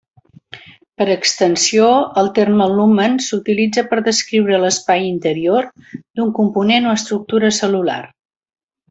Per extensió, el terme lumen s'utilitza per descriure l'espai interior d'un component o estructura cel·lular.